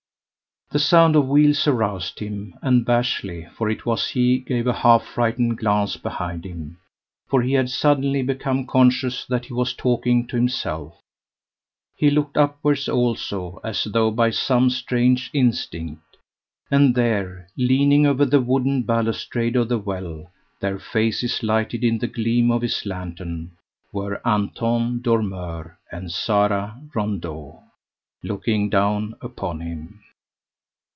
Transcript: The sound of wheels aroused him, and Bashley for it was he gave a half frightened glance behind him, for he had suddenly become conscious that he was talking to himself. He looked upwards also, as though by some strange instinct; and there, leaning over the wooden balustrade of the "well," their faces lighted in the gleam of his lantern, were Anton Dormeur and Sara Rondeau, looking down upon him.